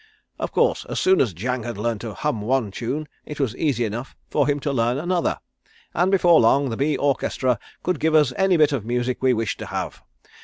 Of course, as soon as Jang had learned to hum one tune it was easy enough for him to learn another, and before long the bee orchestra could give us any bit of music we wished to have.